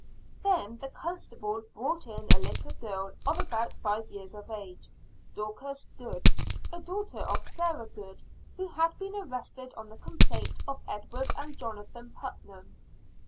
Then the constable brought in a little girl of about five years of age, Dorcas Good, a daughter of Sarah Good, who had been arrested on the complaint of Edward and Jonathan Putnam.